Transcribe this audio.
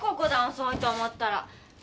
遅いと思ったら。